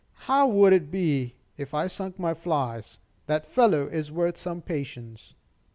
How would it be if I sunk my flies? That fellow is worth some patience."